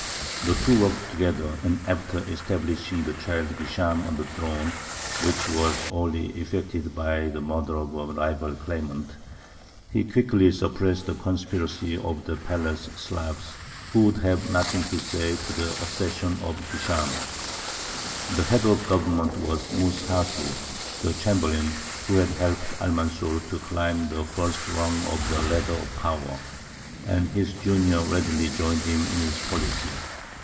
The two worked together, and after establishing the child Hishām on the throne, which was only effected by the murder of a rival claimant, he quickly suppressed the conspiracy of the palace "Slavs," who would have nothing to say to the accession of Hishām. The head of the government was Mus hafy, the chamberlain who had helped Almanzor to climb the first rung of the ladder of power; and his junior readily joined him in his policy.